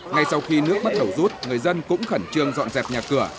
ngay sau khi nước bắt đầu rút người dân cũng khẩn trương dọn dẹp nhà cửa